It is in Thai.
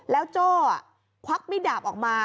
แล้วโจ้ควักมิดดาบออกมา